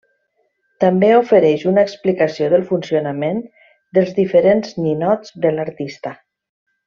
També ofereix una explicació del funcionament dels diferents ninots de l'artista.